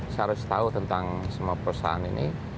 saya harus tahu tentang semua perusahaan ini